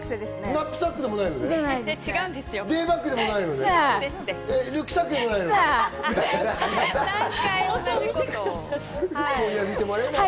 ナップサックでもない。